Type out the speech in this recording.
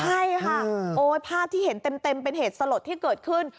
ใช่ค่ะโอ้ยภาพที่เห็นเต็มเป็นเหตุสลดที่เกิดขึ้น